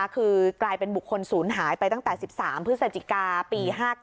คือกลายเป็นบุคคลศูนย์หายไปตั้งแต่๑๓พฤศจิกาปี๕๙